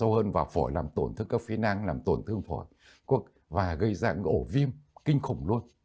đâu hơn vào phổi làm tổn thương các phi năng làm tổn thương phổi và gây ra gỗ viêm kinh khủng luôn